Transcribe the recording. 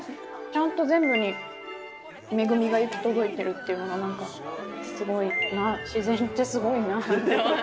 ちゃんと全部に恵みが行き届いてるっていうのが何かすごいなあ自然ってすごいなあ。